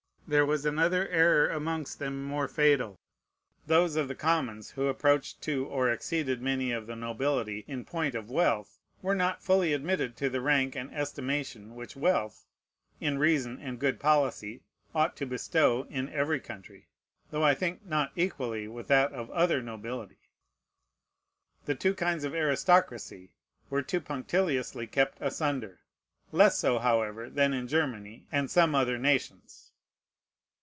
There was another error amongst them more fatal. Those of the commons who approached to or exceeded many of the nobility in point of wealth were not fully admitted to the rank and estimation which wealth, in reason and good policy, ought to bestow in every country, though I think not equally with that of other nobility. The two kinds of aristocracy were too punctiliously kept asunder: less so, however, than in Germany and some other nations.